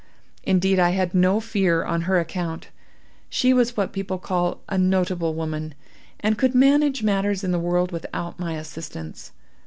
Indeed I had no fear on her account. She was what people call a notable woman, and could manage matters in the world without my assistance.